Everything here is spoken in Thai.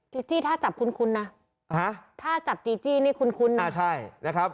จีจี้ถ้าจับคุ้นนะถ้าจับจีจี้นี่คุ้นอ่าใช่นะครับ